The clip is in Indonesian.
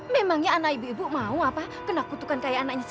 sianya namanya mu talk a unit